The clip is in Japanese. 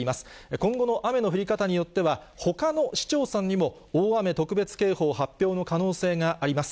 今後の雨の降り方によっては、ほかの市町村にも大雨特別警報発表の可能性があります。